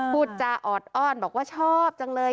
พูดจาออดอ้อนบอกว่าชอบจังเลย